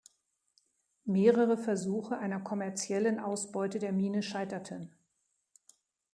Mehrere Versuche einer kommerziellen Ausbeute der Mine scheiterten.